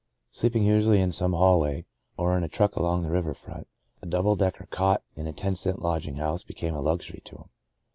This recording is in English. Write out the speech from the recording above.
Sleeping usually in some hallway or in a truck along the river front, a " double decker " cot in a ten cent lodging house became a luxury to him.